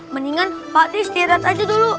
mendingan pak deh setirat aja dulu